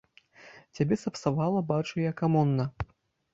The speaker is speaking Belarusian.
Цябе сапсавала, бачу я, камуна.